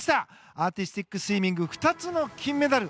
アーティスティックスイミング２つの金メダル。